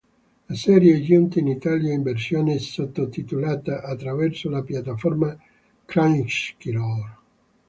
La serie è giunta in Italia in versione sottotitolata attraverso la piattaforma Crunchyroll.